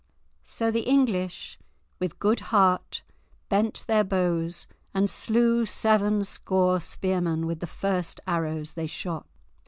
So the English with good heart bent their bows, and slew seven score spearmen with the first arrows they shot.